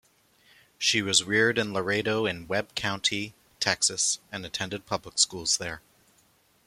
She was reared in Laredo in Webb County, Texas, and attended public schools there.